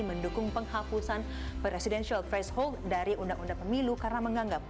jokowi juga menganggap penghapusan presidential threshold dari undang undang pemilu karena menganggap